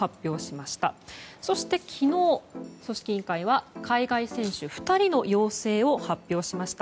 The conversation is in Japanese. そして、昨日組織委員会は海外選手２人の陽性を発表しました。